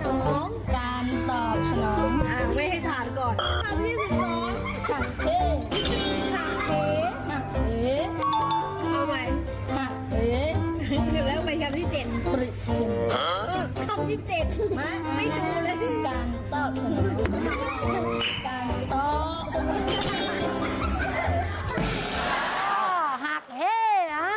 เอาใหม่เอาอื่น